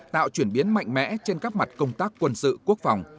tạo chuyển biến mạnh mẽ trên các mặt công tác quân sự quốc phòng